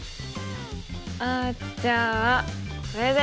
あじゃあこれで。